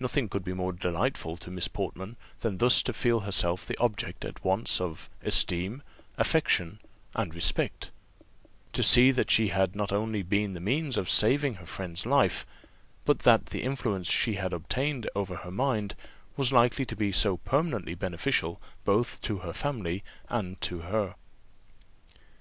Nothing could be more delightful to Miss Portman than thus to feel herself the object at once of esteem, affection, and respect; to see that she had not only been the means of saving her friend's life, but that the influence she had obtained over her mind was likely to be so permanently beneficial both to her and to her family.